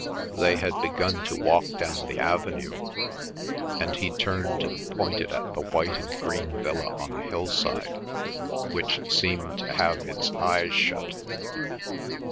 They had begun to walk down the avenue, and he turned and pointed at the white and green villa on the hillside, which seemed to have its eyes shut.